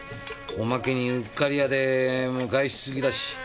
おまけにうっかり屋で外出好きだし。